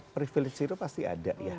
privilege itu pasti ada ya